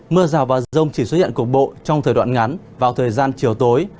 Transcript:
mưa rào vào rông chỉ xuất hiện cuộc bộ trong thời đoạn ngắn vào thời gian chiều tối